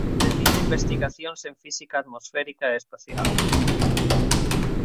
Realiza investigacións en física atmosférica e espacial.